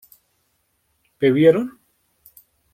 ¿bebieron?